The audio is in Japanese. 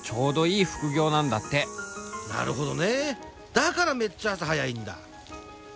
だからめっちゃ朝早いんだ。